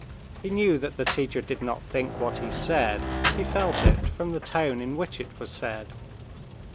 He knew that the teacher did not think what he said; he felt it from the tone in which it was said.